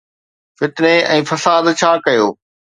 فتني ۽ فساد ڇا ڪيو.